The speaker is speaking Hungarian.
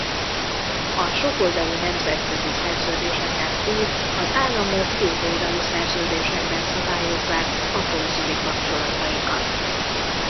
A sokoldalú nemzetközi szerződéseken túl az államok kétoldalú szerződésekben szabályozzák a konzuli kapcsolataikat.